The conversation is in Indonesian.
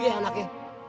itu dia anaknya